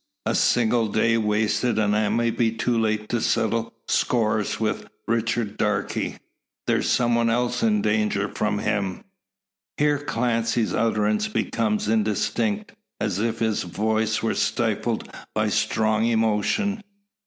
A single day wasted, and I may be too late to settle scores with Richard Darke. There's some one else in danger from him " Here Clancy's utterance becomes indistinct, as if his voice were stifled by strong emotion.